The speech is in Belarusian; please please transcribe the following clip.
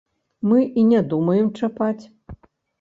Мы і не думаем чапаць.